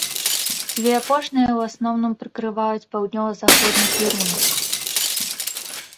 Дзве апошнія ў асноўным прыкрываюць паўднёва-заходні кірунак.